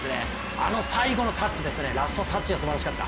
あの最後のラストタッチがすばらしかった。